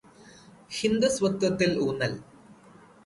ഹിന്ദുസ്വത്വത്തില് ഊന്നല്